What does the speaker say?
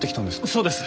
そうです。